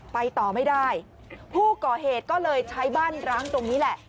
ไปต่อไม่ได้ผู้ก่อเหตุก็เลยใช้บ้านร้างตรงนี้แหละ